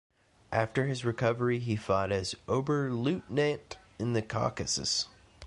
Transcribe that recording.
After his recovery, he fought as Oberleutnant in the Caucasus.